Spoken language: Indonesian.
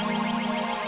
awas banyak out